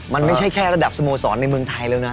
มันไม่ใช่แค่ระดับสโมสรในเมืองไทยแล้วนะ